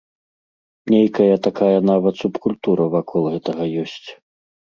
Нейкая такая нават субкультура вакол гэтага ёсць.